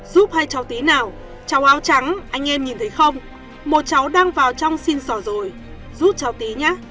giúp hay cháu tí nào cháu áo trắng anh em nhìn thấy không một cháu đang vào trong xin sỏ rồi giúp cháu tí nhá